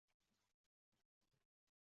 Desam